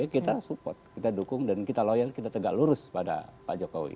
kita support kita dukung dan kita loyal kita tegak lurus pada pak jokowi